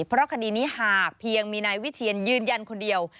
เพราะคดีนี้หากเพียงมีนายวิเทียนยืนยันคนเดียว